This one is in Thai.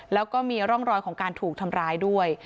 แล้วก็มีร่องรอยของการถูกทำร้ายด้วย